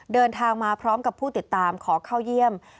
เดินทางมาพร้อมกับผู้ติดตามขอเข้าเยี่ยม